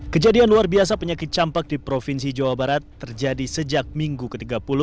kejadian luar biasa penyakit campak di provinsi jawa barat terjadi sejak minggu ke tiga puluh